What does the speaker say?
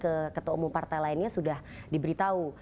kita dengar ketua umum partai lainnya sudah diberitahu